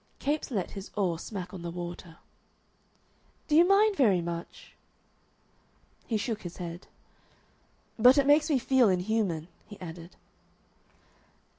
Capes let his oar smack on the water. "Do you mind very much?" He shook his head. "But it makes me feel inhuman," he added.